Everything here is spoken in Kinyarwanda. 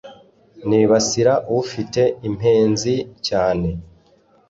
Nibasira ufite impenzi cyane